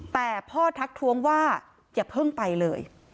แต่พ่อทักทวงว่าอย่าเพิ่งไปเลย